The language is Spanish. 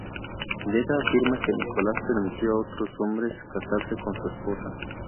Beda afirma que Nicolás permitió a otros hombres casarse con su esposa.